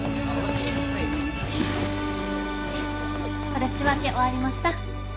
これ仕分け終わりました。